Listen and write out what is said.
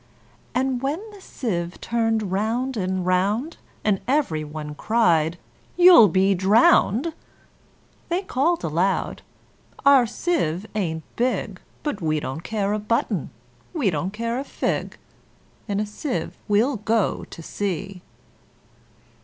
And when the sieve turned round and round, And every one cried, "You'll all be drowned!" They called aloud, "Our sieve ain't big; But we don't care a button, we don't care a fig: In a sieve we'll go to sea!"